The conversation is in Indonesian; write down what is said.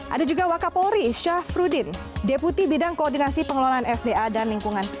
ada juga wakapolri syafruddin deputi bidang koordinasi pengelolaan sda dan lingkungan